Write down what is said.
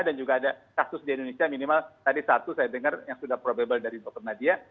dan juga ada kasus di indonesia minimal tadi satu saya dengar yang sudah probable dari dokter nadia